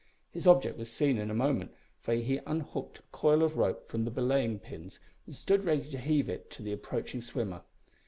His object was seen in a moment, for he unhooked a coil of rope from the belaying pins, and stood ready to heave it to the approaching swimmer.